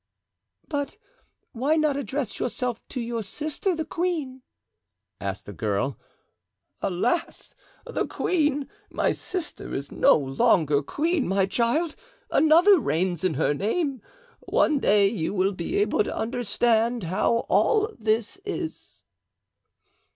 "But why not address yourself to your sister, the queen?" asked the girl. "Alas! the queen, my sister, is no longer queen, my child. Another reigns in her name. One day you will be able to understand how all this is."